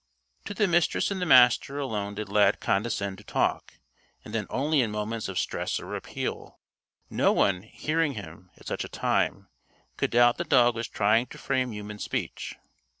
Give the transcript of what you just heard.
To the Mistress and the Master alone did Lad condescend to "talk" and then only in moments of stress or appeal. No one, hearing him, at such a time, could doubt the dog was trying to frame human speech.